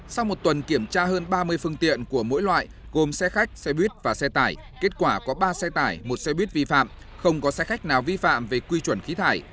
sau một tuần kiểm tra hơn ba mươi phương tiện của mỗi loại gồm xe khách xe buýt và xe tải kết quả có ba xe tải một xe buýt vi phạm không có xe khách nào vi phạm về quy chuẩn khí thải